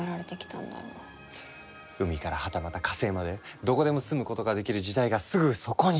海からはたまた火星までどこでも住むことができる時代がすぐそこに！